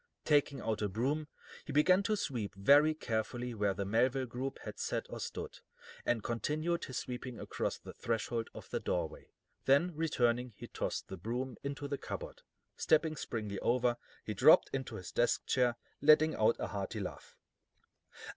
Taking out a broom, he began to sweep very carefully where the Melville group had sat or stood, and continued his sweeping across the threshold of the doorway. Then, returning, he tossed the broom into the cupboard. Stepping springily over, he dropped into his desk chair, letting out a hearty laugh.